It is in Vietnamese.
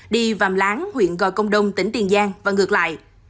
đi vàm láng huyện gò công đông tỉnh tiền giang và ngược lại